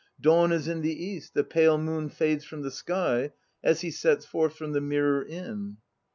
Dawn is in the east; the pale moon fades from the sky, as he sets forth from the Mirror Inn.